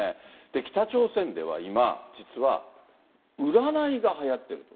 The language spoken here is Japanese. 北朝鮮では今、実は占いがはやってると。